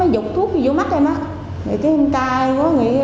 anh chạy hoài vài observe subscribe